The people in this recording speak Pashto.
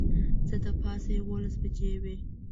څه د پاسه یوولس بجې وې.